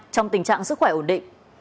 trong tình trạng sức khỏe ổn định